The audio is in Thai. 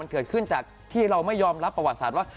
เกิดขึ้นจากที่เราไม่ยอมรับประวัติศาสตร์ว่า